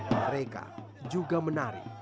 mereka juga menari